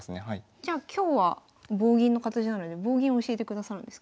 じゃあ今日は棒銀の形なので棒銀教えてくださるんですか？